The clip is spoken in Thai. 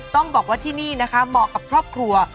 ต้องบอกว่าที่นี่นะคะเหมาะกับครอบครัว